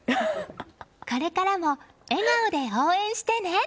これからも笑顔で応援してね！